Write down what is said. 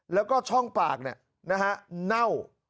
แล้วก็ช่องปากเนี่ยนะฮะเน่า